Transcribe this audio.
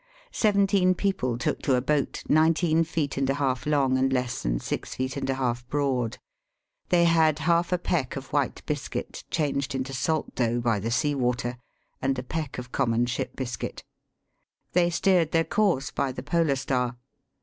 Seventeen people took to a boat, nineteen feet and a half long, and less than six feet and a half broad, They had half a peck of white biscuit, changed into salt dough by the soa water ; and a peck of common ship biscuit. They steered their course by the polar star.